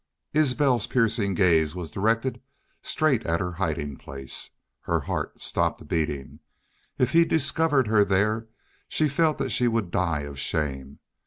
Isbel's piercing gaze was directed straight at her hiding place. Her heart stopped beating. If he discovered her there she felt that she would die of shame.